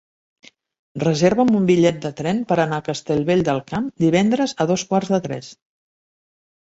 Reserva'm un bitllet de tren per anar a Castellvell del Camp divendres a dos quarts de tres.